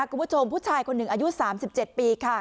คุณผู้ชมผู้ชายคนหนึ่งอายุ๓๗ปีค่ะ